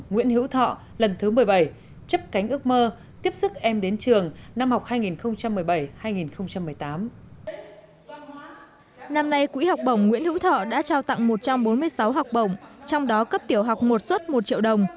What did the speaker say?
nguyễn thọ đã trao tặng một trăm bốn mươi sáu học bổng trong đó cấp tiểu học một suất một triệu đồng